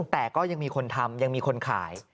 แต่ก็ยังมีคนทำยังมีคนขาย